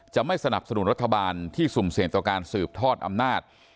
จะไม่สนับสนุนรัฐบาลที่สุ่มเสี่ยงต่อการสืบทอดอำนาจ